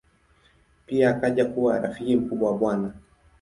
Pia akaja kuwa rafiki mkubwa wa Bw.